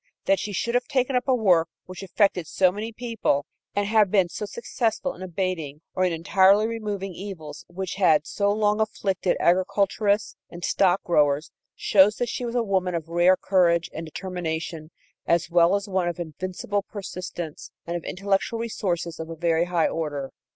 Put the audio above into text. That she should have taken up a work which affected so many people and have been so successful in abating, or in entirely removing evils which had so long afflicted agriculturists and stock growers, shows that she was a woman of rare courage and determination as well as one of invincible persistence and of intellectual resources of a very high order.